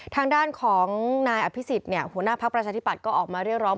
ทางด้านของนายอภิษฎหัวหน้าพักประชาธิบัตย์ก็ออกมาเรียกร้อง